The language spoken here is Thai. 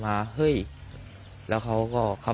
ไม่เคยรู้จักครับ